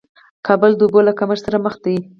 کابل د اوبو له کمښت سره مخ دې